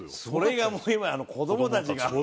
それがもう今や子どもたちが。